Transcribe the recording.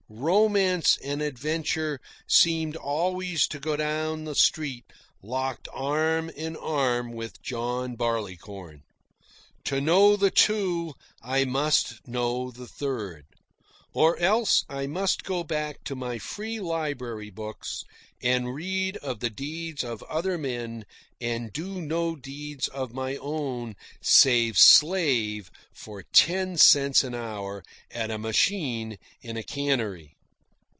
Romance and Adventure seemed always to go down the street locked arm in arm with John Barleycorn. To know the two, I must know the third. Or else I must go back to my free library books and read of the deeds of other men and do no deeds of my own save slave for ten cents an hour at a machine in a cannery.